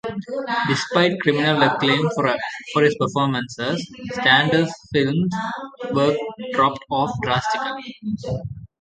Despite critical acclaim for his performances, Stander's film work dropped off drastically.